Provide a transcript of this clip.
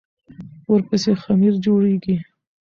ورپسې خمیر جوړېږي.